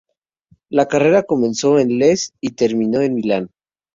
La carrera comenzó en Lecce y terminó en Milán.